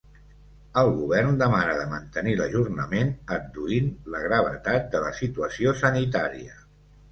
El govern demana de mantenir l’ajornament adduint la gravetat de la situació sanitària.